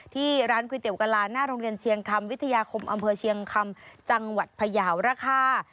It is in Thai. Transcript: ที่ร้านก๋วยเตี๋ยกะลาหน้าโรงเรียนเชียงคำวิทยาคมอำเภอเชียงคำจังหวัดพยาวราคา